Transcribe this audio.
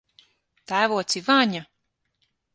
Tēvoci Vaņa!